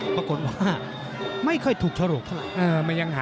ปรากฏว่าไม่เคยถูกฉลกเท่าไหร่